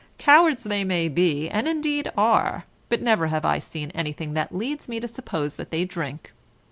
Cowards they may be, and indeed are, but never have I seen anything that leads me to suppose that they drink.